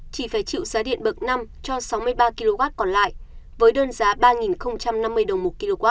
chỉ phải chịu giá điện bậc năm cho sáu mươi ba kw còn lại với đơn giá ba năm mươi đồng một kw